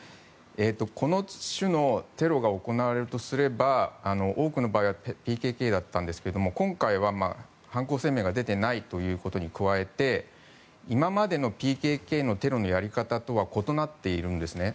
この種のテロが行われるとすれば多くの場合はＰＫＫだったんですが今回は犯行声明が出ていないということに加えて今までのＰＫＫのテロのやり方とは異なっているんですね。